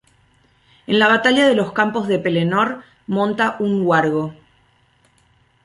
En la Batalla de los Campos de Pelennor monta un huargo.